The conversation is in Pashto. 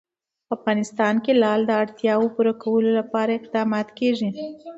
په افغانستان کې د لعل د اړتیاوو پوره کولو لپاره اقدامات کېږي.